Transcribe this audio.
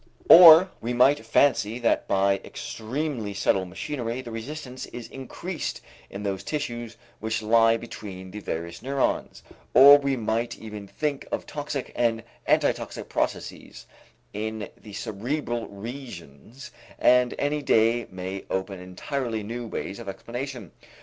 Or we might fancy that by extremely subtle machinery the resistance is increased in those tissues which lie between the various neurons, or we might even think of toxic and antitoxic processes in the cerebral regions; and any day may open entirely new ways of explanation.